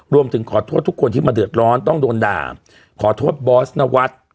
รวมถึงขอโทษทุกคนที่มาเดือดร้อนต้องโดนด่าขอโทษบอสนวัฒน์